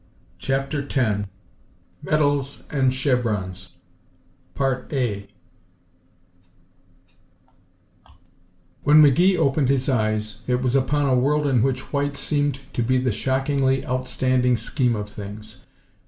CHAPTER X Medals and Chevrons 1 When McGee next opened his eyes, it was upon a world in which white seemed to be the shockingly outstanding scheme of things.